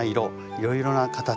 いろいろな形。